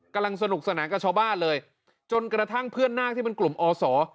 กำลังสนุกสนานกับชาวบ้านเลยจนกระทั่งเพื่อนนาคที่เป็นกลุ่มอศ